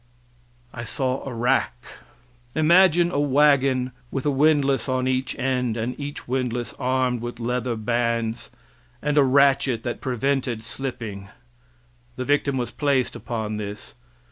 I saw a rack. Imagine a wagon with a windlass on each end, and each windlass armed with leather bands, and a ratchet that prevented slipping. The victim was placed upon this.